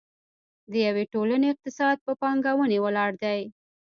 د یوې ټولنې اقتصاد په پانګونې ولاړ دی.